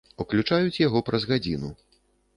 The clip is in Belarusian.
Уключаюць яго праз гадзіну.